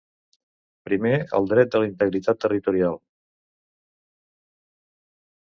Primer, el dret de la integritat territorial.